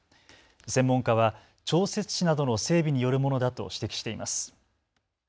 専門家は調節池などの整備によるものだと指摘しています。